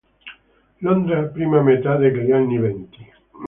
Londra, prima metà degli anni venti.